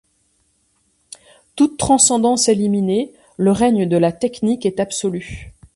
Toute transcendance éliminée, le règne de la technique est absolu.